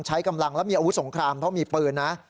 ใช้กำลังแล้วมีอาวุธสงครามเพราะมีปืนนะ